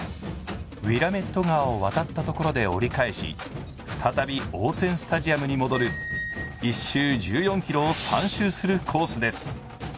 ウィラメット川を渡ったところで折り返し、再びオーツェン・スタジアムに戻る１周、１４ｋｍを３周するコースです。